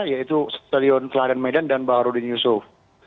yaitu stadion kelahiran medan dan baharudin yusof